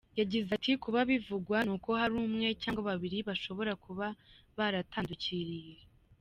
Yagize ati “Kuba bivugwa ni uko hari umwe cyangwa babiri bashobora kuba baratandukiriye.